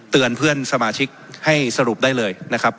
เพื่อนสมาชิกให้สรุปได้เลยนะครับ